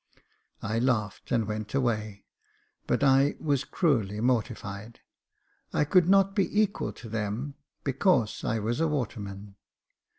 I laughed, and went away, but I was cruelly mortified. I could not be equal to them, because I was a waterman.